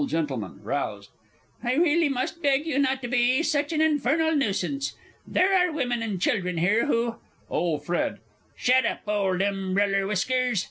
G. (roused). I really must beg you not to be such an infernal nuisance! There are women and children here who OLE FRED. Shet up, old umbereller whiskers!